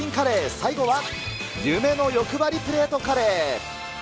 最後は、夢の欲張りプレートカレー。